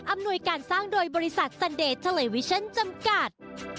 อำนวยการสร้างโดยบริษัทสันเดชน์เทลลียวิชั่นจำกัด